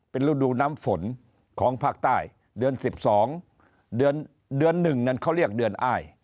เป็นฤดูน้ำฝนของภาคใต้เดือน๑๒เดือน๑นั้นเขาเรียกเดือนอ้าย